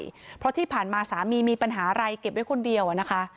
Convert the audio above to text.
เพราะที่ผ่านมาสามีมีปัญหาอะไรเก็บไว้คนเดียวอะนะคะ